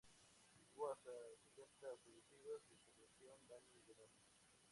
Hubo hasta setenta fallecidos y se produjeron daños millonarios.